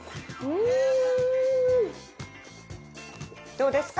どうですか？